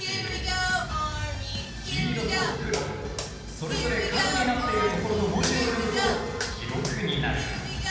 それぞれ数になっているところの文字を読むと「きろく」になる。